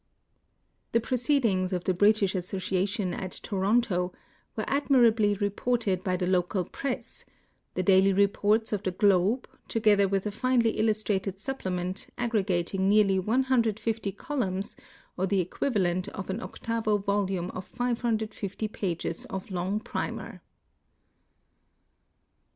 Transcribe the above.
The proceedings of the British Association at Toronto were admirably reported by the local press, the daily reports of the (rfoSe, together with a finely illustrated supplement, aggregating nearly 150 columns, or the equivalent of an octavo volume of , 550 pages of long primer.